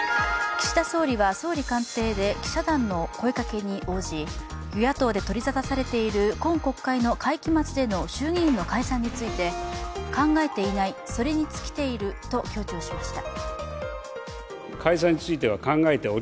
岸田総理は総理官邸で記者団の声かけに応じ与野党で取り沙汰されている今国会の会期末での衆議院の解散について、考えていない、それに尽きていると強調しました。